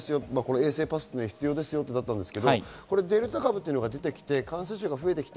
衛生パスが必要ですよだったんですけれども、デルタ株が出てきて感染者が増えてきた。